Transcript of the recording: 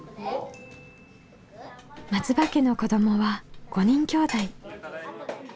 松場家の子どもは５人きょうだい。